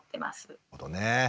なるほどね。